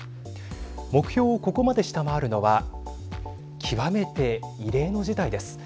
目標をここまで下回るのは極めて異例の事態です。